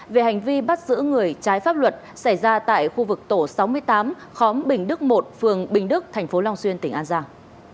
về hành vi bắt giữ người trái pháp luật xảy ra tại khu vực tổ sáu mươi tám khóm bình đức một phường bình đức thành phố long xuyên tỉnh an giang